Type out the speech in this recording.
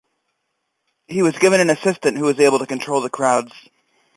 He was given an assistant who was able to control the crowds.